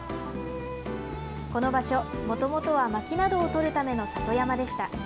この場所、もともとはまきなどを採るための里山でした。